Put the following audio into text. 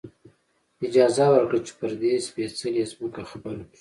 اجازه ورکړه، چې پر دې سپېڅلې ځمکې خپل.